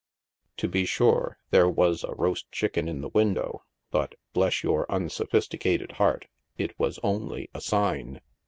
To be sure, there was a roast chicken in the window, but, bless your unsophisticated heart, it was only a sign.